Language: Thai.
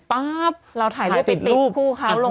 ปั๊บถ่ายรูปปิดก็โดยลงไป